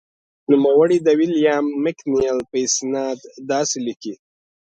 نوموړی د ویلیام مکنیل په استناد داسې لیکي.